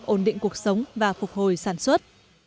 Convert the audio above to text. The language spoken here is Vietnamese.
ổn định cuộc sống và phục hồi sản xuất